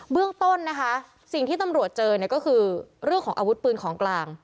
เรื่องต้นนะคะสิ่งที่ตำรวจเจอเนี่ยก็คือเรื่องของอาวุธปืนของกลาง